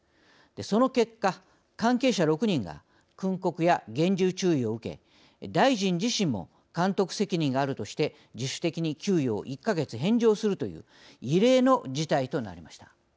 その結果、関係者６人が訓告や厳重注意を受け大臣自身も監督責任があるとして自主的に給与を１か月返上するという異例の事態となりました。